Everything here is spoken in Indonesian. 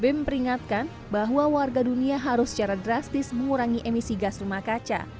bm peringatkan bahwa warga dunia harus secara drastis mengurangi emisi gas rumah kaca